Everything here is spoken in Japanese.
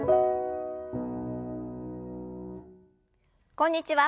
こんにちは。